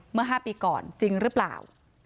เมื่อ๕ปีก่อนจริงหรือเปล่า